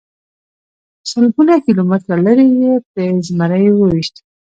سلګونه کیلومتره لرې یې پرې زمری وويشت.